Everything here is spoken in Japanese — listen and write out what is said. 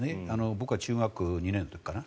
僕は中学２年の時かな。